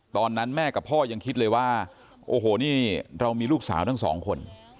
ตอนนั้นแม่กับพ่อยังคิดเลยว่าโอ้โหนี่เรามีลูกสาวทั้งสองคน